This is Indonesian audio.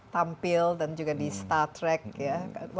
tampil dan juga di star trek ya